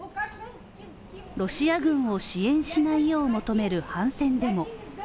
ロシア軍を支援しないよう求める反戦デモ。